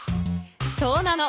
そうなの。